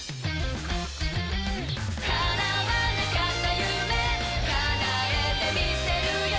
叶わなかった夢叶えてみせるよ